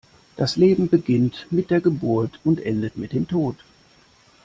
Das Leben beginnt mit der Geburt und endet mit dem Tod.